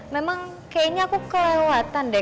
memang kayaknya aku kelewatan deh